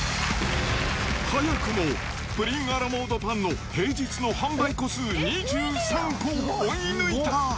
早くもプリンアラモードパンの平日の販売個数２３個を追い抜いた。